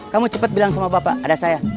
kamu cepat bilang sama bapak ada saya